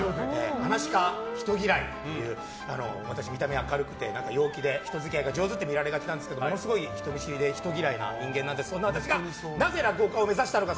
「噺家人嫌い」という私、見た目は明るくて陽気で人付き合いが上手と見られがちなんですがものすごく人見知りで人嫌いな人間なんですがそんな私がなぜ落語家を目指したのか。